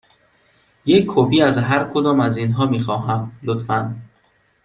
یک کپی از هر کدام از اینها می خواهم، لطفاً.